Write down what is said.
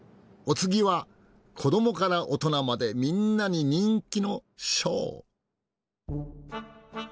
お次は子どもから大人までみんなに人気のショー。